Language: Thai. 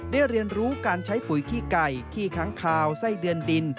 เรียนรู้การใช้ปุ๋ยขี้ไก่ขี้ค้างคาวไส้เดือนดิน